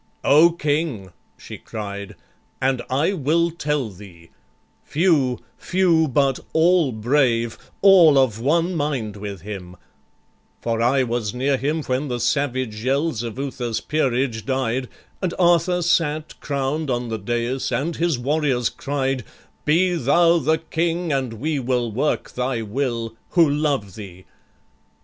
"O King," she cried, "and I will tell thee: few, Few, but all brave, all of one mind with him; For I was near him when the savage yells Of Uther's peerage died and Arthur sat Crown'd on the daïs, and his warriors cried, 'Be thou the king, and we will work thy will, Who love thee.'